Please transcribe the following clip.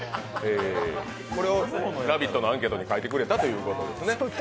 これを「ラヴィット！」のアンケートに書いてくれたということですね。